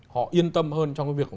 họ yên tâm hơn trong cái việc